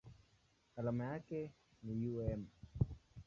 Alama yake ni µm.